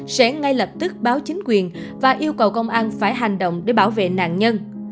sẽ ngay lập tức báo chính quyền và yêu cầu công an phải hành động để bảo vệ nạn nhân